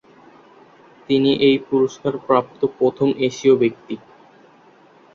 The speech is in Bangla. তিনি এই পুরস্কার প্রাপ্ত প্রথম এশীয় ব্যক্তি।